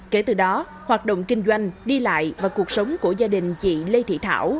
kể từ đó hoạt động kinh doanh đi lại và cuộc sống của gia đình chị lê thị thảo